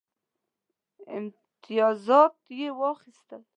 امتیازات یې واخیستل.